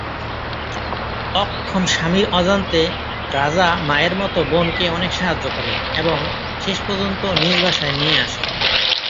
অক্ষম স্বামীর অজান্তে রাজা মায়ের মতো বোনকে অনেক সাহায্য করে এবং শেষ পর্যন্ত নিজ বাসায় নিয়ে আসে।